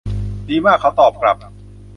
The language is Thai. ดีมาก เขาตอบกลับ